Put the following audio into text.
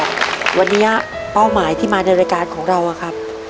วันนี้เป้าหมายที่มาในรายการของเราอะครับ